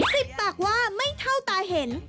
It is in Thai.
สิบปากว่าไม่เท่าตาเห็น